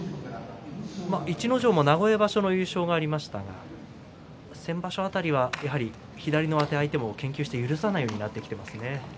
逸ノ城も名古屋場所の優勝がありましたが先場所辺りは、やはり左の上手相手を研究して許さないようにしていますね。